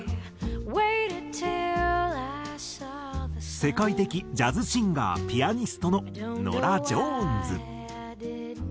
世界的ジャズシンガーピアニストのノラ・ジョーンズ。